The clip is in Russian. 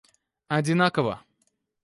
одинаково